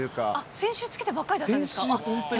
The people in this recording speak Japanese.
先週付けたばっかりだったんですか？